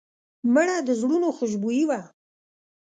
مړه د زړونو خوشبويي وه